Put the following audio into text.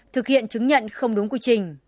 thực hiện chứng nhận không đúng quy trình